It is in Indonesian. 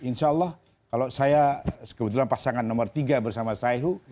insya allah kalau saya kebetulan pasangan nomor tiga bersama saihu